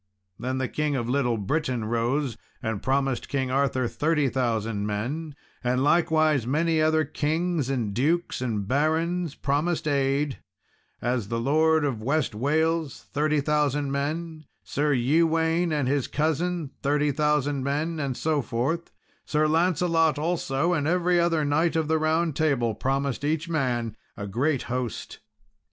Then the King of Little Britain rose and promised King Arthur thirty thousand men; and likewise many other kings, and dukes, and barons, promised aid as the lord of West Wales thirty thousand men, Sir Ewaine and his cousin thirty thousand men, and so forth; Sir Lancelot also, and every other knight of the Round Table, promised each man a great host.